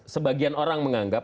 sebagian orang menganggap